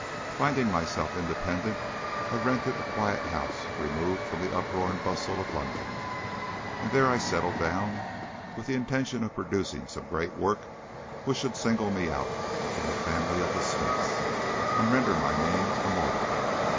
Finding myself independent, I rented a quiet house removed from the uproar and bustle of London, and there I settled down with the intention of producing some great work which should single me out from the family of the Smiths, and render my name immortal.